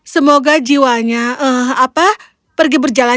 semoga jiwanya pergi berjalan